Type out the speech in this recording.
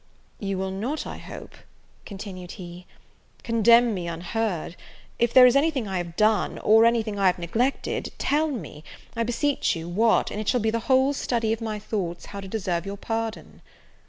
"You will not, I hope," continued he, "condemn me unheard; if there is any thing I have done, or any thing I have neglected, tell me, I beseech you, what, and it shall be the whole study of my thoughts how to deserve your pardon."